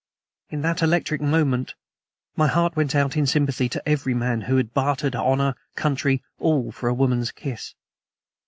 In that electric moment my heart went out in sympathy to every man who had bartered honor, country, all for a woman's kiss.